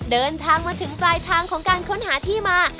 เดินทางมาถึงปลายทางของการค้นหาที่มา